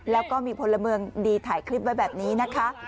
แล้วก็มีพลเมืองดีถ่ายคลิปไว้แบบนี้นะคะ